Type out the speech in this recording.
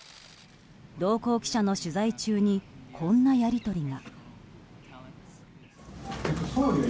同行記者の取材中にこんなやり取りが。